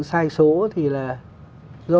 sai số thì là do